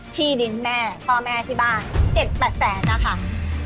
ที่ดินแม่พ่อแม่ที่บ้าน๗๘แสนนะคะ